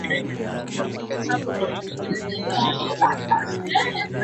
Bonde la Wami Ruvu linajumuisha mito mikuu miwili